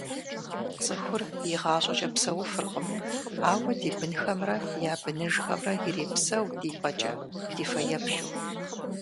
Цӏыхур игъащӏэкӏэ псэуфыркъым, ауэ ди бынхэмрэ я быныжхэмрэ ирепсэу ди пӏэкӏэ, ди фэеплъу…